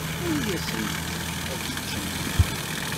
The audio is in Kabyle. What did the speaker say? Awi-yasent ad ččent.